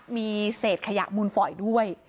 มีเศษขยะมูลฝอยด้วย